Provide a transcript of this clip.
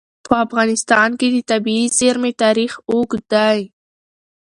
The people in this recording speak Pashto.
په افغانستان کې د طبیعي زیرمې تاریخ اوږد دی.